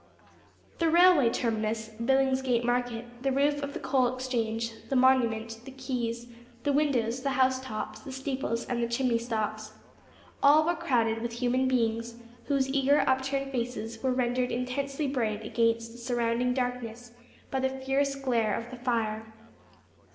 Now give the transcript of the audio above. The railway terminus, Billingsgate Market, the roof of the Coal Exchange, the Monument, the quays, the windows, the house tops, the steeples, and the chimney stalks all were crowded with human beings, whose eager upturned faces were rendered intensely bright against the surrounding darkness by the fierce glare of the fire.